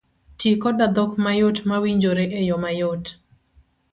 Tii koda dhok mayot mawinjore eyo mayot